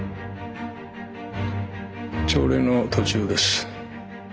朝礼の途中です。